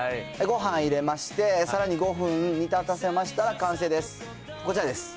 ごはん入れまして、さらに５分煮立たせましたら完成です。